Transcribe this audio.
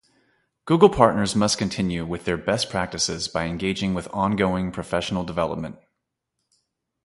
Google Partners must continue with their best practices by engaging with ongoing professional development.